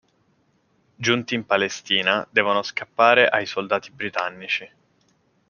Giunti in Palestina, devono scappare ai soldati britannici.